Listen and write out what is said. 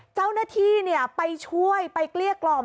เจ้าหน้าที่ไปช่วยไปเกลี้ยกล่อม